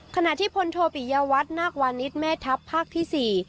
ขณะที่พลโทปิยวัฒน์นาควานิสแม่ทัพภาคที่๔